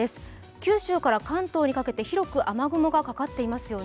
九州から関東にかけて広く雨雲がかかっていますよね。